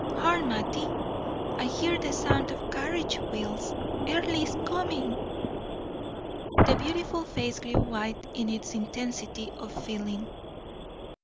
Hark, Mattie; I hear the sound of carriage wheels. Earle is coming!" The beautiful face grew white in its intensity of feeling.